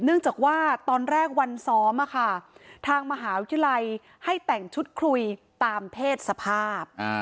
เนื่องจากว่าตอนแรกวันซ้อมทางมหาวิทยาลัยให้แต่งชุดคุยตามเพศสภาพ